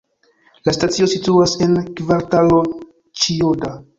La stacio situas en Kvartalo Ĉijoda.